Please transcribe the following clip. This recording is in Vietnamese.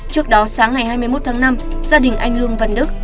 trước đó sáng ngày hai mươi một tháng năm gia đình anh lương văn đức